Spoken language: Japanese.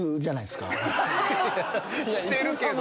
してるけど！